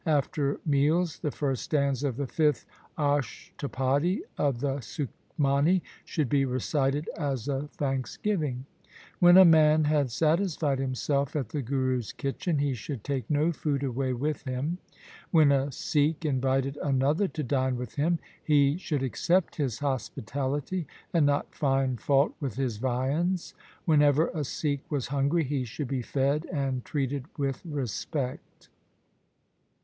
After meals the first stanza of the fifth Ashtapadi of the Sukhmani should be recited as a thanksgiving. When a man had satisfied himself at the Guru's kitchen, he should take no food away with him. When a Sikh invited another to dine with him, he should accept his hospitality and not find fault with his viands. Whenever a Sikh was hungry, he should be fed and treated with respect.